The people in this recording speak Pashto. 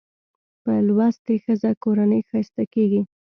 په لوستې ښځه کورنۍ ښايسته کېږي